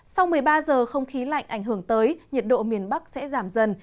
sau một mươi ba giờ không khí lạnh ảnh hưởng tới nhiệt độ miền bắc sẽ giảm dần